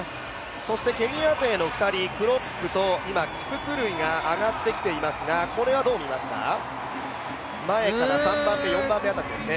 そしてケニア勢の２人、クロップとキプクルイが上がってきていますが、これはどう見ますか、前から３番目、４番目あたりですね。